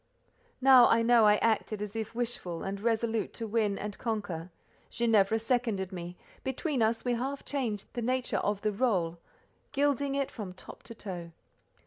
Now I know I acted as if wishful and resolute to win and conquer. Ginevra seconded me; between us we half changed the nature of the rôle, gilding it from top to toe.